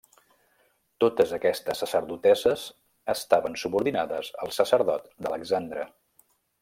Totes aquestes sacerdotesses estaven subordinades al sacerdot d'Alexandre.